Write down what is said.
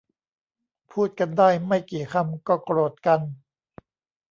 พูดกันได้ไม่กี่คำก็โกรธกัน